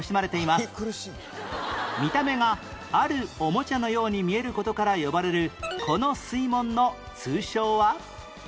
見た目があるおもちゃのように見える事から呼ばれるこの水門の通称は？